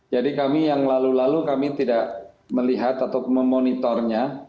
kami yang lalu lalu kami tidak melihat atau memonitornya